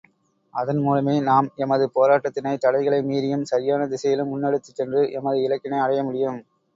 அதன்மூலமே நாம், எமது போராட்டத்தினை தடைகளை மீறியும், சரியான திசையிலும் முன்னெடுத்துச் சென்று, எமது இலக்கினை அடைய முடியும்.